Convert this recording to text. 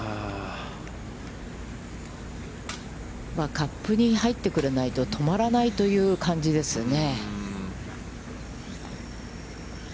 カップに入ってくれないと、止まらないという感じですね。